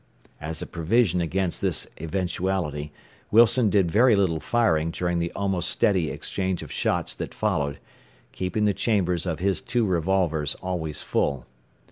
As a provision against this eventuality Wilson did very little firing during the almost steady exchange of shots that followed, keeping the chambers of his two revolvers always full.